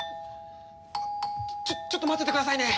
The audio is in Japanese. ちょちょっと待っててくださいね。